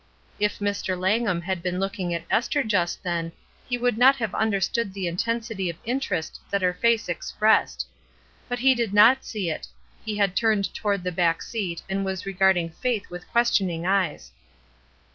'^ If Mr. Langham had been looking at Esther just then he would not have understood the intensity of interest that her face expressed. But he did not see it; he had turned toward the back seat and was regarding Faith with ques tioning eyes.